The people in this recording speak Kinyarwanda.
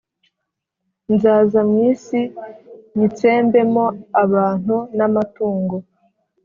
nzaza mu isi nyitsembemo abantu n’amatungo